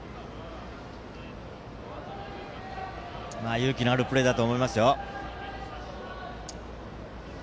勇気のあるプレーだと思いますよ。